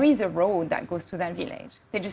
ada jalan yang berjalan ke wilayah itu